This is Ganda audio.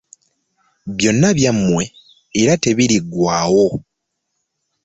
Byonna byammwe era tebiriggwaawo.